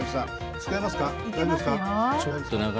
使えますか？